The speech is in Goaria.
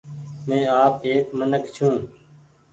مين آپ ايڪ منک ڇون۔